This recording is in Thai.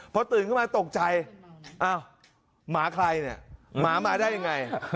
พอตื่นขึ้นมาตกใจอ้าวหมาใครเนี่ยหมามาได้ยังไง